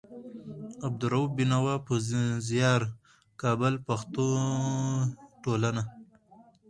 د عبدالروف بېنوا په زيار. کابل: پښتو ټولنه